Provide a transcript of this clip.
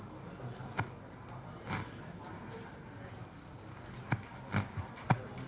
ข้างข้างไม่ได้ข้างข้างไม่ได้